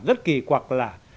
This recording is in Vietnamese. rất kỳ quạc là